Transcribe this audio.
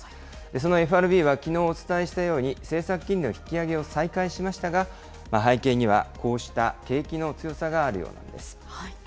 そのＦＲＢはきのうお伝えしたように、政策金利の引き上げを再開しましたが、背景にはこうした景気の強さがあるようなんです。